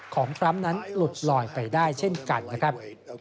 ทรัมป์นั้นหลุดลอยไปได้เช่นกันนะครับ